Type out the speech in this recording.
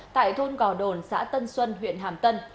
tại thôn gò đồn xã tân xuân huyện hàm tân